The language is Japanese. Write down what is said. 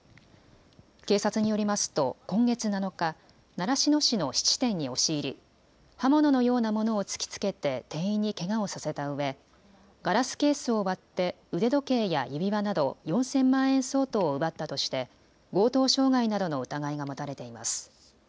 警察によりますと今月７日、習志野市の質店に押し入り刃物のようなものを突きつけて店員にけがをさせたうえガラスケースを割って腕時計や指輪など４０００万円相当を奪ったとして強盗傷害などの疑いが持たれています。